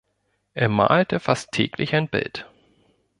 Er malte fast täglich ein Bild.